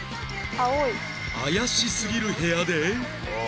怪しすぎる部屋で